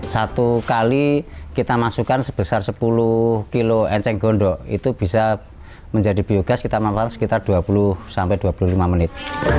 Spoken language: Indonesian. satu kali kita masukkan sebesar sepuluh kilo enceng gondok itu bisa menjadi biogas kita memakan sekitar dua puluh sampai dua puluh lima menit